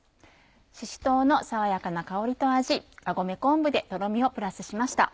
しし唐の爽やかな香りと味がごめ昆布でとろみをプラスしました。